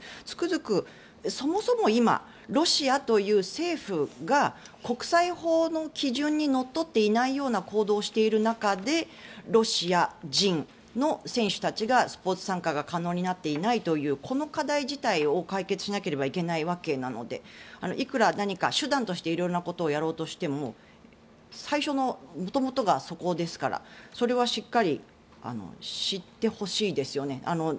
つくづくそもそも今、ロシアという政府が国際法の基準にのっとっていないような行動をしている中でロシア人の選手たちがスポーツ参加が可能になっていないというこの課題自体を解決しないといけないわけなのでいくら何か手段として色々なことをやろうとしても最初の元々がそこですからそれはしっかり知ってほしいですよね。